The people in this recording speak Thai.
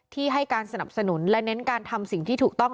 ให้การสนับสนุนและเน้นการทำสิ่งที่ถูกต้อง